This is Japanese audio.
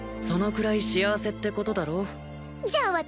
そのくらい幸せってことだろじゃあ